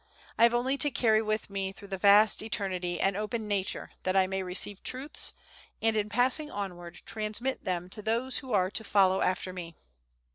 I have only to carry with me through the vast Eternity an open nature, that I may receive truths, and, in passing onward, transmit them to those who are to follow after me."